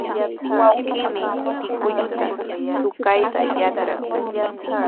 Wawqiimi pinkulluta tukayta yatran.